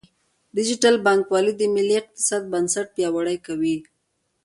ډیجیټل بانکوالي د ملي اقتصاد بنسټ پیاوړی کوي.